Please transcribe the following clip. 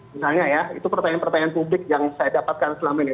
misalnya ya itu pertanyaan pertanyaan publik yang saya dapatkan selama ini